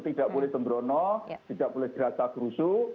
tidak boleh sembrono tidak boleh gerasa kerusuh